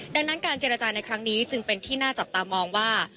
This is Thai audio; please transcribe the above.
ดังนั้นการเจรจาในครั้งนี้จึงเป็นที่น่าจับตามองว่า